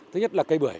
thứ nhất là cây bưởi